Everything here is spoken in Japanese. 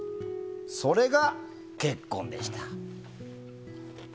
それが、結婚でした。